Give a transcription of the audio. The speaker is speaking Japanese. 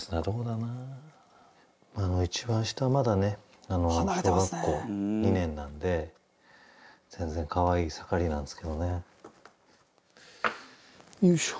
一番下はまだね小学校２年なんで全然可愛い盛りなんですけどね。よいしょ。